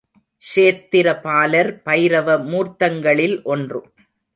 க்ஷேத்திரபாலர், பைரவ மூர்த்தங்களில் ஒன்று.